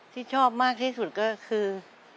ที่ชอบมากที่สุดก็คือ